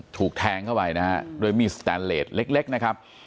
ถูกแทงเข้าไปนะฮะด้วยมีดสแตนเลสเล็กนะครับ